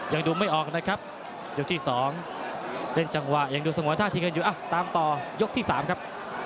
ยังดูไม่ออกนะครับยกที่๒เล่นจังหวะหักเหลี่ยมล้มโอโรโน่ลงทำต่อยกที่๓ครับ